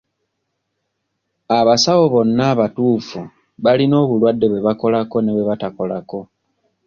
Abasawo bonna abatuufu balina obulwadde bwe bakolako ne bwe batakolako.